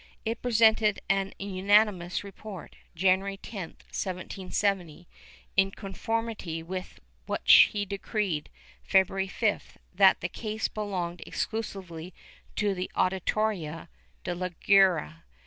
It presented a unanimous report, January 10, 1770, in conformity with which he decreed, February 5th, that the case belonged exclu sively to the Auditoria de la Guerra.